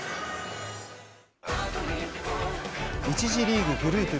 １次リーグ、グループＢ